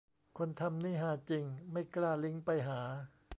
คนทำนี่ฮาจริง ไม่กล้าลิงก์ไปหา